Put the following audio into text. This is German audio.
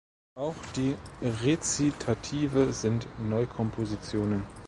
Auch die Rezitative sind Neukompositionen.